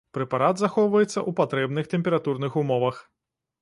Прэпарат захоўваецца ў патрэбных тэмпературных умовах.